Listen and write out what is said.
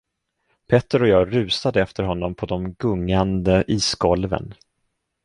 Petter och jag rusade efter honom på de gungande isgolven.